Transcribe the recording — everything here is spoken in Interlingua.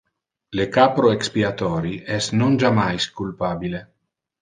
Le capro expiatori es non jammais culpabile.